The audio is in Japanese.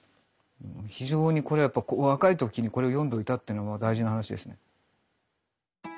非常にこれやっぱ若い時にこれを読んどいたっていう大事な話ですね。